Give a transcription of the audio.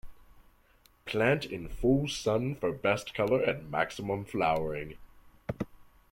Plant in full sun for best color and maximum flowering.